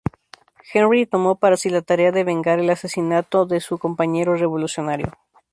Henry tomó para sí la tarea de vengar el asesinato de su compañero revolucionario.